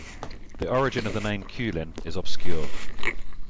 The origin of the name Qulin is obscure.